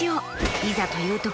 いざというとき